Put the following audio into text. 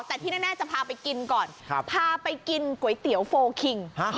แต่ที่แน่จะพาไปกินก่อนพาไปกินก๋วยเตี๋ยวโฟลคิง